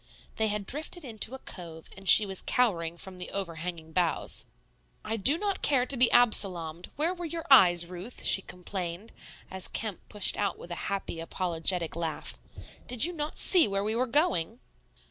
They had drifted into a cove, and she was cowering from the over hanging boughs. "I do not care to be Absalomed; where were your eyes, Ruth?" she complained, as Kemp pushed out with a happy, apologetic laugh. "Did not you see where we were going?"